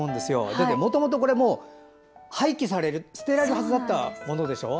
だってもともと、これ廃棄される捨てられるはずだったものでしょ。